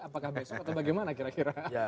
apakah besok atau bagaimana kira kira